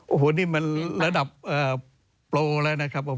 โอ้โหนี่มันระดับโปรแล้วนะครับผม